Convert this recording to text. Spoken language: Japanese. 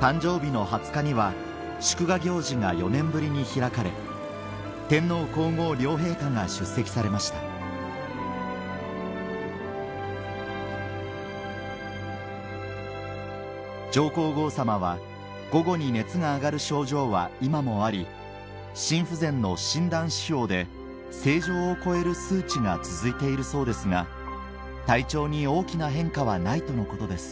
誕生日の２０日には祝賀行事が４年ぶりに開かれ天皇皇后両陛下が出席されました上皇后さまは午後に熱が上がる症状は今もあり心不全の診断指標で正常を超える数値が続いているそうですが体調に大きな変化はないとのことです